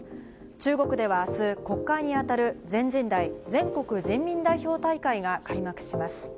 中国ではあす、国会にあたる全人代・全国人民代表大会が開幕します。